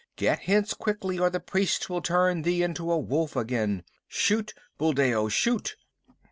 Get hence quickly or the priest will turn thee into a wolf again. Shoot, Buldeo, shoot!"